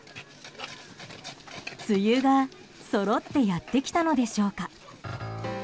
梅雨がそろってやってきたのでしょうか。